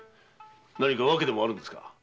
何か訳でもあるんですか？